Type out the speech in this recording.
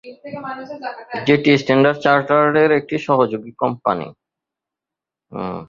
যেটি স্ট্যান্ডার্ড চার্টার্ড-এর একটি সহযোগী কোম্পানি।